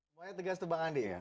semuanya tegas tuh bang andi ya